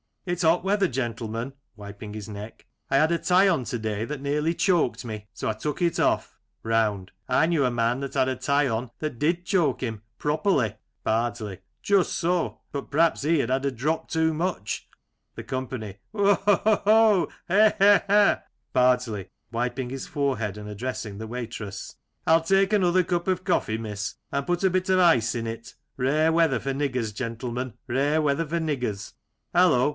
... It's hot weather, gentlemen {wiping his neck), I had a tie on to day that nearly choked me, so I took it off. Round : I knew a man that had a tie on that did choke him properly, Bardsley : Just so, but perhaps he had had a drop too much. The Company : Ho ! ho 1 ho I He ! he ! he ! Bardsley {wiping his forehead and addressing the waitress)*. I'll take another cup of coffee, miss, and put a bit of ice in it Rare weather for niggers, gentlemen ; rare weather for niggers. Hallo